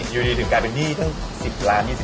อยู่ดีถึงกลายเป็นหนี้ตั้ง๑๐ล้าน๒๐